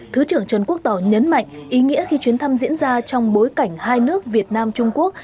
thứ trưởng trần quốc tỏ nhấn mạnh ý nghĩa khi chuyến thăm diễn ra trong bối cảnh hai nước việt nam trung quốc